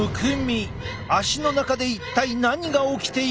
足の中で一体何が起きているのか？